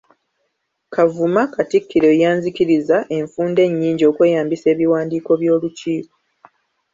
Kavuma Katikkiro eyanzikiriza enfunda ennyingi okweyambisa ebiwandiiko by'Olukiiko.